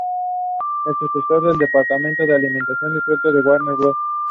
Es el sucesor del departamento de animación disuelto de Warner Bros.